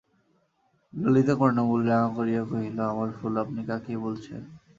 ললিতা কর্ণমূল রাঙা করিয়া কহিল, আমার ফুল আপনি কাকে বলছেন?